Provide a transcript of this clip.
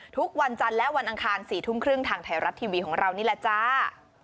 ทุกวันจันทร์และวันอังคาร๔ทุ่มครึ่งทางไทยรัฐทีวีของเรานี่แหละจ้า